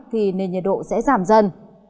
thì nền nhiệt độ sẽ giảm dần